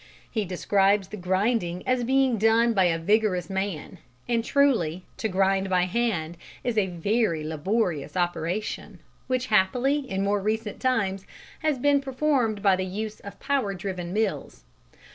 He describes the grinding as being done by a vigorous man, and truly, to grind by hand is a very laborious operation, which happily in more recent times has been performed by the use of power driven mills.